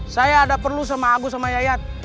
saya ada perlu sama agus sama yayat